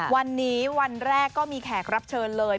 วันนี้วันแรกก็มีแขกรับเชิญเลย